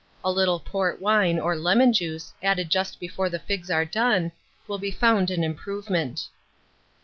A little port wine, or lemon juice, added just before the figs are done, will be found an improvement.